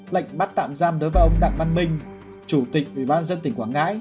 lệnh bắt tạm giam đối với ông đặng văn minh chủ tịch ủy ban dân tỉnh quảng ngãi